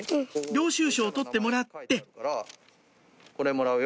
領収書を取ってもらってこれもらうよ。